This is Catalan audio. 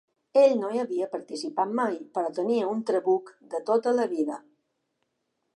Ell no hi havia participat mai, però tenia un trabuc de tota la vida.